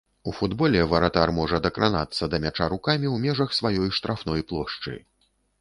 У футболе варатар можа дакранацца да мяча рукамі ў межах сваёй штрафной плошчы.